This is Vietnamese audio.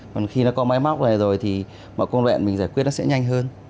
còn khi nó có máy móc về rồi thì mọi công đoạn mình giải quyết nó sẽ nhanh hơn